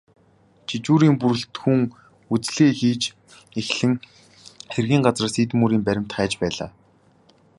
Жижүүрийн бүрэлдэхүүн үзлэгээ хийж эхлэн хэргийн газраас эд мөрийн баримт хайж байлаа.